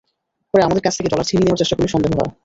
পরে আমাদের কাছ থেকে ডলার ছিনিয়ে নেওয়ার চেষ্টা করলে সন্দেহ হয়।